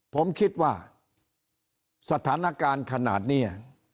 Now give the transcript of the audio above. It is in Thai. ผมคิดว่าสถานการณ์ขนาดนี้